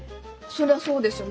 そりゃそうでしょ。